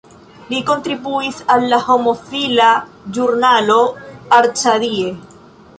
Li kontribuis al la homofila ĵurnalo "Arcadie".